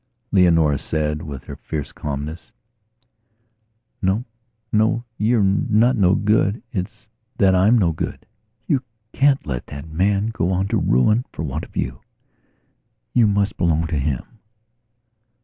Leonora said, with her fierce calmness: "No. No. You're not no good. It's I that am no good. You can't let that man go on to ruin for want of you. You must belong to him."